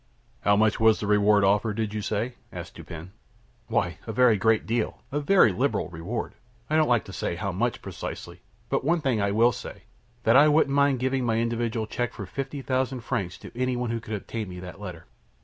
"How much was the reward offered, did you say?" asked Dupin. "Why, a very great deal a very liberal reward I don't like to say how much, precisely; but one thing I will say, that I wouldn't mind giving my individual check for fifty thousand francs to any one who could obtain me that letter.